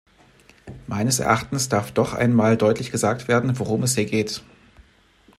Meines Erachtens darf doch einmal deutlich gesagt werden, worum es hier geht.